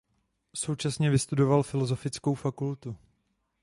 Současně vystudoval filosofickou fakultu.